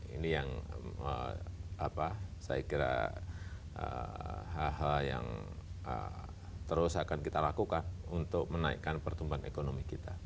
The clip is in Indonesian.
ini yang saya kira hal hal yang terus akan kita lakukan untuk menaikkan pertumbuhan ekonomi kita